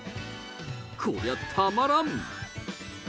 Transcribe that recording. こりゃたまらん。